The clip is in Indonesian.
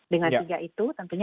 dengan tiga itu